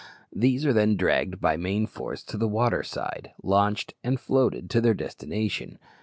These are then dragged by main force to the water side, launched, and floated to their destination.